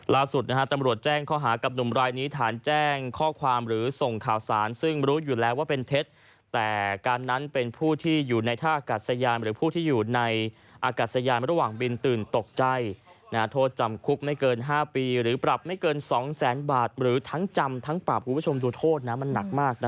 ล่าสุดตำรวจแจ้งข้อหากับหนุ่มรายนี้ฐานแจ้งข้อความหรือส่งข่าวสารซึ่งรู้อยู่แล้วว่าเป็นเท็จแต่การนั้นเป็นผู้ที่อยู่ในท่ากัดสยานหรือผู้ที่อยู่ในอากาศยานระหว่างบินตื่นตกใจโทษจำคุกไม่เกิน๕ปีหรือปรับไม่เกิน๒แสนบาทหรือทั้งจำทั้งปรับคุณผู้ชมดูโทษนะมันหนักมาก